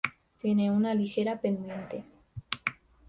Tiene una ligera pendiente.